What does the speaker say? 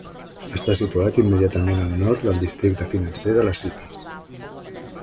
Està situat immediatament al nord del districte financer de la City.